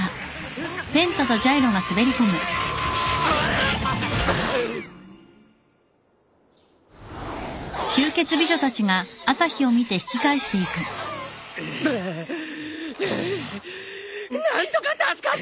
何とか助かった！